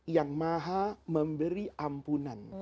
yang maha memberi ampunan